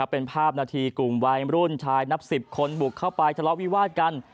เป็นภาพนาทีกลุ่มวัยรุ่นชายนับ๑๐คนบุกเข้าไปทะเลาะวิวาดกัน